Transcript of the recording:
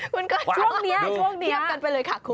มันก็ช่วงนี้เทียบกันไปเลยค่ะคุณ